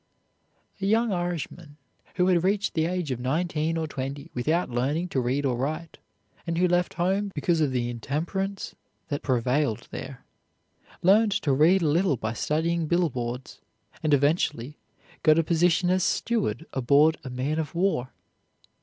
A young Irishman who had reached the age of nineteen or twenty without learning to read or write, and who left home because of the intemperance that prevailed there, learned to read a little by studying billboards, and eventually got a position as steward aboard a man of war.